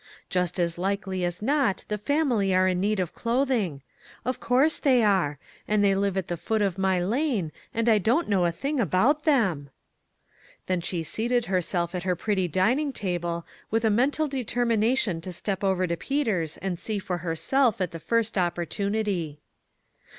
Just as likely as not the family are in need of clothing. Of course they are ; and they live at the foot of my lane, and I don't know a thing about them !" Then she seated herself at her pretty dining table, with a mental determination to step over to Peter's and see for herself at the first opportunity.